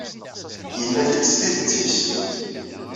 Yenna-t-id s tidet-nnes.